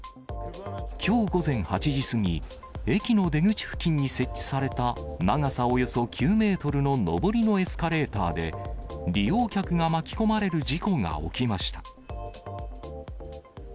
きょう午前８時過ぎ、駅の出口付近に設置された長さおよそ９メートルの上りのエスカレーターで、利用客が巻き込まれる事故が起きました。